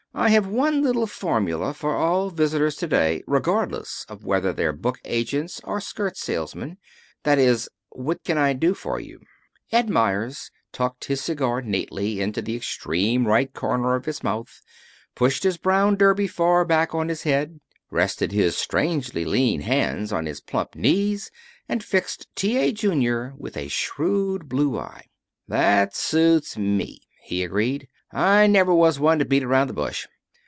I have one little formula for all visitors to day, regardless of whether they're book agents or skirt salesmen. That is, what can I do for you?" Ed Meyers tucked his cigar neatly into the extreme right corner of his mouth, pushed his brown derby far back on his head, rested his strangely lean hands on his plump knees, and fixed T. A. Junior with a shrewd blue eye. "That suits me fine," he agreed. "I never was one to beat around the bush.